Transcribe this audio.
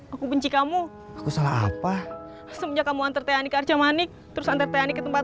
aku benci kamu aku salah apa semenjak kamu antar tni ke arca manik terus antar tni ke tempat